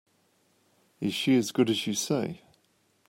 Is she as good as you say?